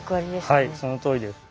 はいそのとおりです。